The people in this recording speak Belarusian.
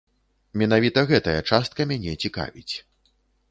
Менавіта гэтая частка мяне цікавіць.